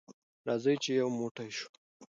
راځئ چې یو موټی شو.